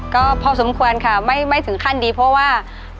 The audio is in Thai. ก็พอสมควรค่ะไม่ถึงขั้นดีเพราะว่า